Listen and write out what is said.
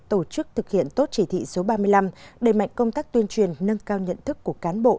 tổ chức thực hiện tốt chỉ thị số ba mươi năm đẩy mạnh công tác tuyên truyền nâng cao nhận thức của cán bộ